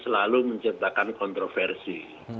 lalu menciptakan kontroversi